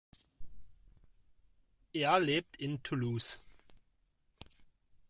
Er lebt in Toulouse.